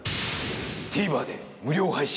ＴＶｅｒで無料配信。